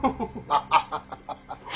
ハハハハハ。